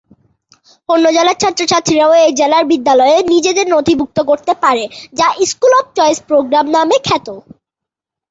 অন্য জেলার ছাত্র-ছাত্রীরাও এই জেলার বিদ্যালয়ে নিজেদের নথিভুক্ত করতে পারে যা "স্কুল অব্ চয়েস প্রোগ্রাম" নামে খ্যাত।